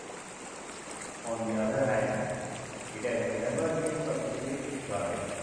On the other hand, it has never been publicly challenged.